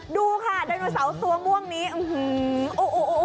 ดูค่ะไดโนเสาร์ตัวม่วงนี้อื้อหือโอ้โห